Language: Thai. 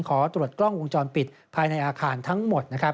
ขอตรวจกล้องวงจรปิดภายในอาคารทั้งหมดนะครับ